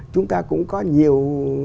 chúng ta cũng có nhiều